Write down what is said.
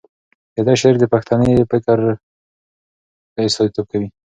د ده شعر د پښتني فکر ښه استازیتوب کوي.